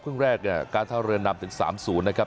ครึ่งแรกการท่าเรือนำถึง๓ศูนย์นะครับ